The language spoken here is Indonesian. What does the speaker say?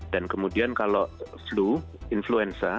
dan kemudian kalau flu influenza